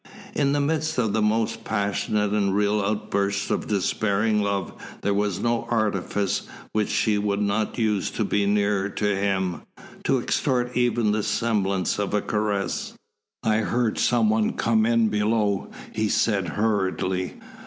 In the midst of the most passionate and real outburst of despairing love there was no artifice which she would not use to be nearer to him, to extort even the semblance of a caress. "I heard some one come in below," he said, hurriedly.